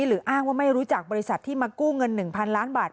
อ้างว่าไม่รู้จักบริษัทที่มากู้เงิน๑๐๐ล้านบาท